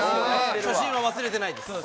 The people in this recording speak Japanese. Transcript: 初心は忘れてないです。